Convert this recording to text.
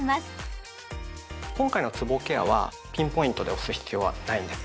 今回のつぼケアはピンポイントで押す必要はないんです。